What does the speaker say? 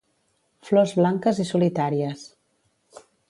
Flors blanques i solitàries.